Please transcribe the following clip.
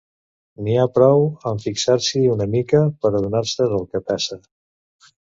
N'hi ha prou amb fixar-s'hi una mica per adonar-se del que passa.